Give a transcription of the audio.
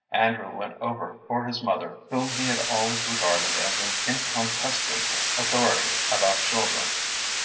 Andrew went over for his mother, whom he had always regarded as an incontestable authority about children.